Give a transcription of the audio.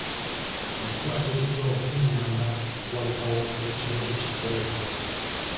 Kaweefube ateekeddwawo okwengaanga okubalukawo kw'ekirwadde kya Kolera.